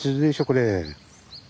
これ。